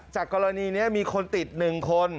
จากกรณีนี้มีคนติดหนึ่งคน